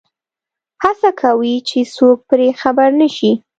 هڅه کوي چې څوک پرې خبر نه شي.